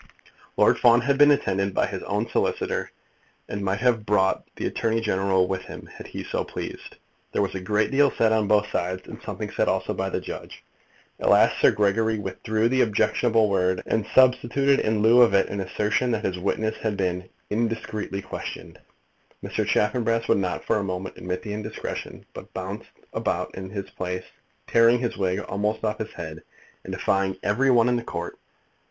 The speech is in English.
Lord Fawn had been attended by his own solicitor, and might have brought the Attorney General with him had he so pleased. There was a great deal said on both sides, and something said also by the judge. At last Sir Gregory withdrew the objectionable word, and substituted in lieu of it an assertion that his witness had been "indiscreetly questioned." Mr. Chaffanbrass would not for a moment admit the indiscretion, but bounced about in his place, tearing his wig almost off his head, and defying every one in the Court.